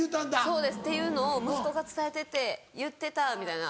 そうです「っていうのを息子が伝えてって言ってた」みたいな。